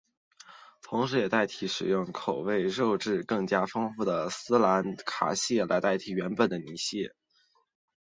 同时也替代使用口味和肉质更加丰富的斯里兰卡蟹来代替原本的泥蟹。